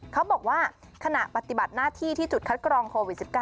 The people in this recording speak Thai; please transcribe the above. เขาบอกว่าขณะปฏิบัติหน้าที่ที่จุดคัดกรองโควิด๑๙